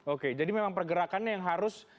oke jadi memang pergerakannya yang harus